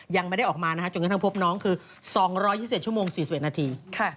ยังไม่ได้ออกมานะฮะจนกระทั่งพบน้องคือ๒๒๑ชั่วโมง๔๑นาที